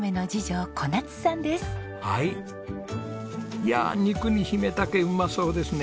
いやあ肉にヒメタケうまそうですね。